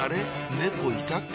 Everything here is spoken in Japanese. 猫いたっけ？